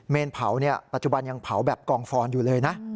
เผาปัจจุบันยังเผาแบบกองฟอนอยู่เลยนะ